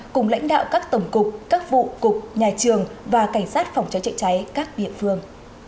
cùng lãnh đạo các tổng cục các vụ cục nhà trường và cảnh sát phòng cháy chữa cháy các địa phương